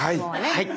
はい。